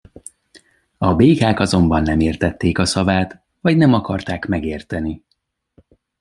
A békák azonban nem értették a szavát, vagy nem akarták megérteni.